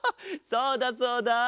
そうだそうだ。